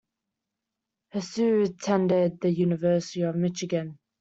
Hsu attended the University of Michigan.